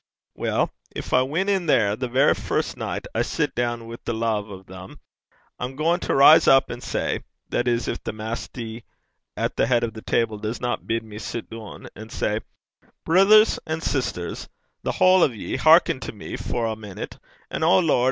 'Weel, gin I win in there, the verra first nicht I sit doon wi' the lave o' them, I'm gaein' to rise up an' say that is, gin the Maister, at the heid o' the table, disna bid me sit doon an' say: "Brithers an' sisters, the haill o' ye, hearken to me for ae minute; an', O Lord!